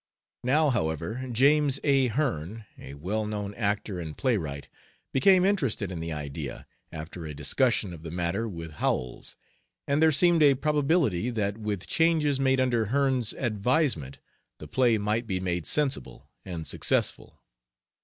Now, however, James A. Herne, a well known actor and playwright, became interested in the idea, after a discussion of the matter with Howells, and there seemed a probability that with changes made under Herne's advisement the play might be made sensible and successful.